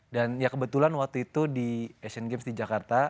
dan ya kebetulan waktu itu di asian games di jakarta